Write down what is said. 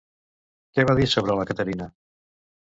Què va dir sobre la Caterina?